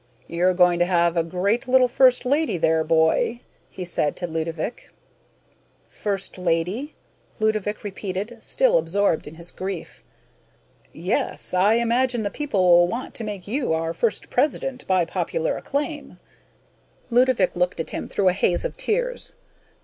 "You're going to have a great little first lady there, boy," he said to Ludovick. "First lady?" Ludovick repeated, still absorbed in his grief. "Yes, I imagine the people will want to make you our first President by popular acclaim." Ludovick looked at him through a haze of tears.